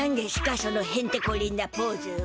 そのへんてこりんなポーズは。